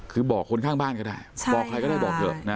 คือบอกคนข้างบ้านก็ได้บอกใครก็ได้บอกเถอะนะ